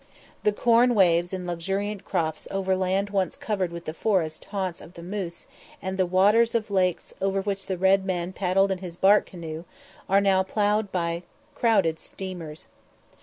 The corn waves in luxuriant crops over land once covered with the forest haunts of the moose, and the waters of the lakes over which the red man paddled in his bark canoe are now ploughed by crowded steamers.